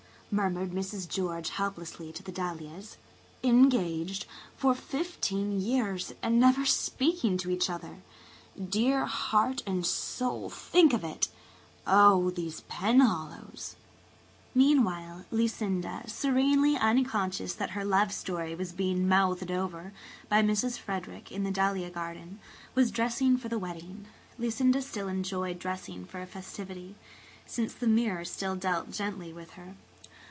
murmured Mrs. George helplessly to the dahlias. "Engaged for fifteen years and never speaking to each other! Dear heart and soul, think of it! Oh, these Penhallows!" Meanwhile, Lucinda, serenely unconscious that her love story was being mouthed over by Mrs. Frederick in the dahlia garden, was dressing for the wedding. Lucinda still enjoyed dressing for a festivity, since the mirror still dealt gently with her.